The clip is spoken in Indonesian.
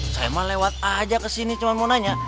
saya mah lewat saja ke sini cuma mau nanya